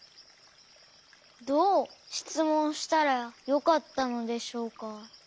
どうしつもんしたらよかったのでしょうか。